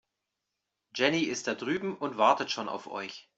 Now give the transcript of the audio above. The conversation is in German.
Jenny ist da drüben und wartet schon auf euch.